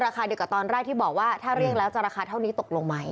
เดียวกับตอนแรกที่บอกว่าถ้าเรียกแล้วจะราคาเท่านี้ตกลงไหม